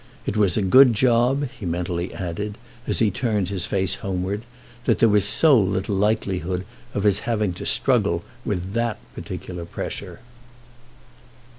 It was a good job, he mentally added as he turned his face homeward, that there was so little likelihood of his having to struggle with that particular pressure.